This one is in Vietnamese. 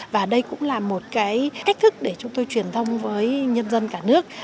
và đây cũng là một cái cách thức để chúng tôi truyền thông với nhân dân cả nước